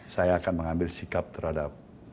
saya akan mengambil sikap terhadap